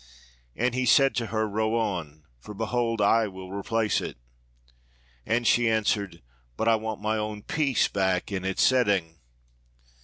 And he said to her, 'Row on, for behold I will replace it.' And she answered, 'But I want my own piece back in its setting.'